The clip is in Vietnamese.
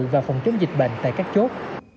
và phòng chống dịch bệnh tại các chốt